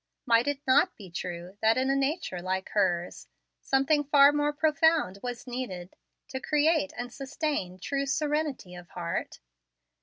Might it not be true that, in a nature like hers, something far more profound was needed to create and sustain true serenity of heart?